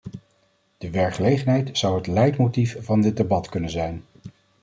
De werkgelegenheid zou het leidmotief van dit debat kunnen zijn.